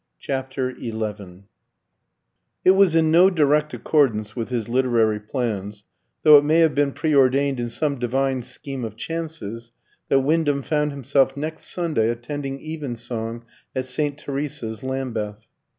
CHAPTER XI It was in no direct accordance with his literary plans, though it may have been preordained in some divine scheme of chances, that Wyndham found himself next Sunday attending evensong at St. Teresa's, Lambeth.